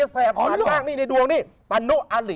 แสบมากในดวงนี่ตานุอัลลิ